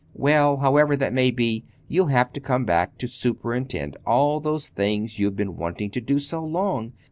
"Well, however that may be you'll have to come back to superintend all those things you've been wanting to do so long.